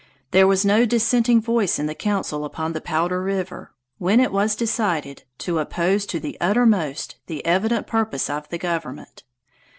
There was no dissenting voice in the council upon the Powder River, when it was decided to oppose to the uttermost the evident purpose of the government.